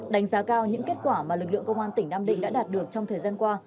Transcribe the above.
đánh giá cao những kết quả mà lực lượng công an tỉnh nam định đã đạt được trong thời gian qua